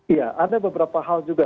iya ada beberapa hal juga